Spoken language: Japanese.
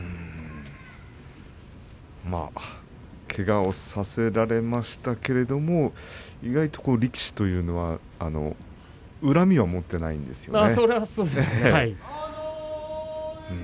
まあ、けがをさせられましたけれども意外と力士というのは恨みを持っていないですよね。